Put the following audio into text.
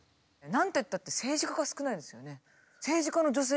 何てったって政治家が少ないですよね。